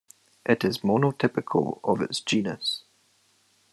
It is monotypical of its genus.